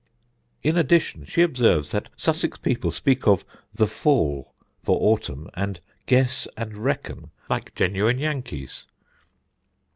In addition she observes that Sussex people speak of 'the fall' for autumn and 'guess' and 'reckon' like genuine Yankees."